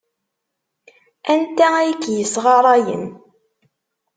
Anta ay k-yessɣarayen?